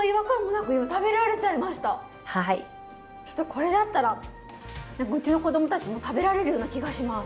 これだったら何かうちの子供たちも食べられるような気がします。